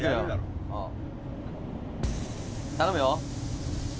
頼むよ！